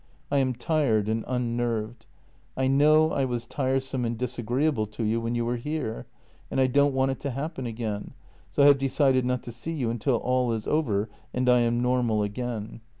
I am tired and unnerved ; I know I was tiresome and disagreeable to you when you were here, and I don't want it to happen again, so have decided not to see you until all is over and I am normal again.